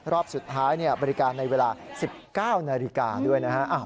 รอบสุดท้ายบริการในเวลา๑๙นาฬิกาด้วยนะฮะ